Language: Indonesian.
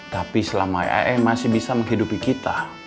tapi selama ay ay masih bisa menghidupi kita